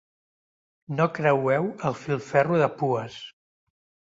No creueu el filferro de pues.